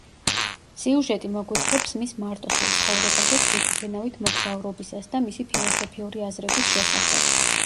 სიუჟეტი მოგვითხრობს მის მარტოსულ ცხოვრებაზე თვითმფრინავით მოგზაურობისას და მისი ფილოსოფიური აზრების შესახებ.